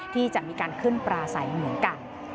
ที่จะมีการขึ้นปลาใสเหมือนกัน